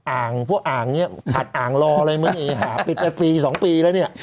อ่างเพราะอ่างเนี่ยขัดอ่างรอเลยมึงไอ้หาปิด๘ปี๒ปีแล้วเนี่ย